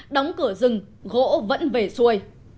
đóng cửa rừng gỗ vẫn về xuôi